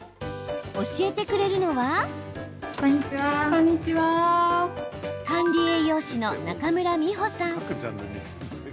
教えてくれるのは管理栄養士の中村美穂さん。